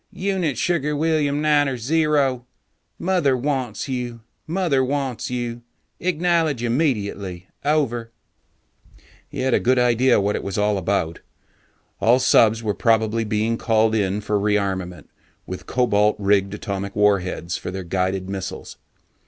"Unit Sugar William Niner Zero, Mother wants you, Mother wants you. Acknowledge immediately. Over." He had a good idea what it was all about. All subs were probably being called in for rearmament with cobalt rigged atomic warheads for their guided missiles.